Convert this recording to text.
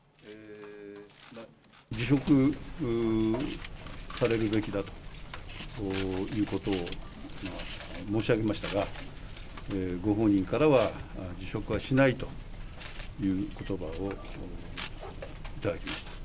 辞職されるべきだということを申し上げましたが、ご本人からは、辞職はしないということばを頂きました。